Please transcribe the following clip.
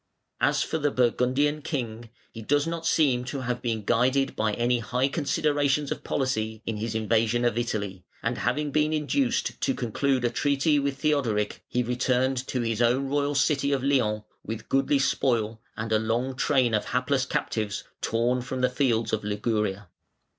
As for the Burgundian king, he does not seem to have been guided by any high considerations of policy in his invasion of Italy, and having been induced to conclude a treaty with Theodoric, he returned to his own royal city of Lyons with goodly spoil and a long train of hapless captives torn from the fields of Liguria.